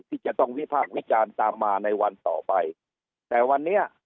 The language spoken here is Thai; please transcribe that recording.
ที่จะต้องวิพากษ์วิจารณ์ตามมาในวันต่อไปแต่วันนี้